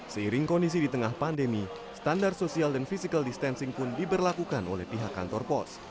seiring kondisi di tengah pandemi standar sosial dan physical distancing pun diberlakukan oleh pihak kantor pos